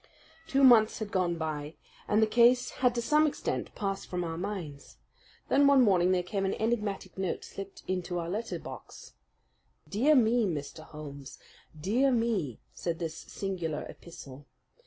Two months had gone by, and the case had to some extent passed from our minds. Then one morning there came an enigmatic note slipped into our letter box. "Dear me, Mr. Holmes. Dear me!" said this singular epistle.